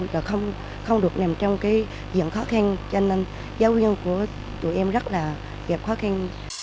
và không được nằm trong cái diện khó khăn cho nên giáo nhân của tụi em rất là gặp khó khăn